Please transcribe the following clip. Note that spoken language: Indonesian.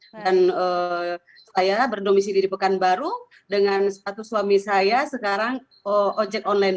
dan saya berdomisi di pekanbaru dengan suatu suami saya sekarang ojek online